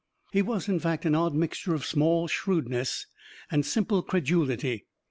He was, in fact, an odd mixture of small shrewdness and simple credulity.